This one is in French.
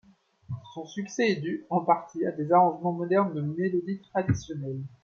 Son succès est dû, en partie, à des arrangements modernes de mélodies traditionnelles.